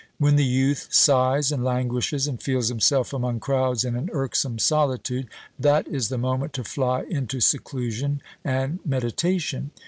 When the youth sighs and languishes, and feels himself among crowds in an irksome solitude, that is the moment to fly into seclusion and meditation.